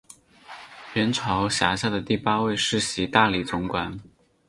元朝辖下的第八位世袭大理总管。